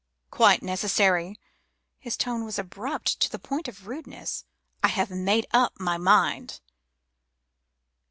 "Quite necessary." His tone was abrupt to the point of rudeness. "I have made up my mind."